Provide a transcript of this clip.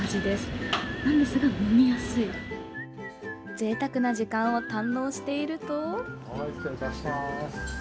ぜいたくな時間を堪能していると。